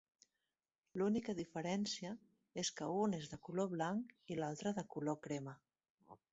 L'única diferència és que un és de color blanc i l'altre de color crema.